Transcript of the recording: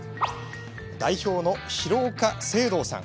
代表の廣岡誠道さん。